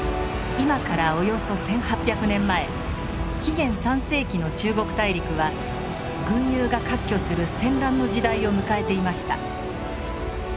今からおよそ１，８００年前紀元３世紀の中国大陸は群雄が割拠する戦乱の時代を迎えていました。